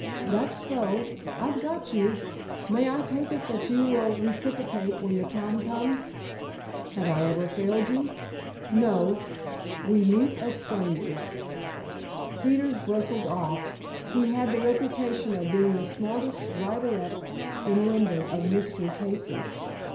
"That's so. I've got you. May I take it that you will reciprocate when the time comes?" "Have I ever failed you?" "No. We meet as strangers." Peters bustled off. He had the reputation of being the smartest "writer up" in London of mystery cases.